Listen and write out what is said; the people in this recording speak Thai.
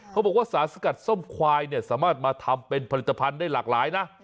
บอกว่าสารสกัดส้มควายเนี่ยสามารถมาทำเป็นผลิตภัณฑ์ได้หลากหลายนะ